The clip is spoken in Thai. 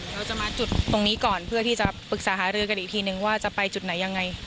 เราจะมาจุดตรงนี้ก่อนเพื่อที่จะปรึกษาหารือกันอีกทีนึงว่าจะไปจุดไหนยังไง